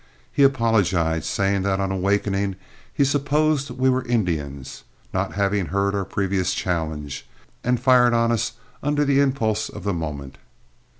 He apologized, saying that on awakening he supposed we were Indians, not having heard our previous challenge, and fired on us under the impulse of the moment.